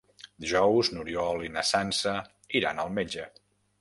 Dijous n'Oriol i na Sança iran al metge.